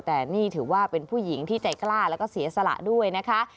แต่นี่ถือว่าเป็นผู้หญิงที่ใจกล้าแล้วก็เสียสละด้วยนะคะ